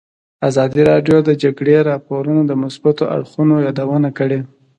ازادي راډیو د د جګړې راپورونه د مثبتو اړخونو یادونه کړې.